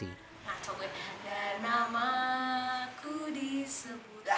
pertama aku disebut